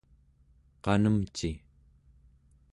qanemci